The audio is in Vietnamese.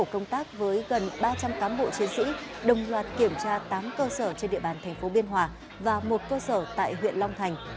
công an tỉnh đã hành tác với gần ba trăm linh cán bộ chiến sĩ đồng loạt kiểm tra tám cơ sở trên địa bàn tp biên hòa và một cơ sở tại huyện long thành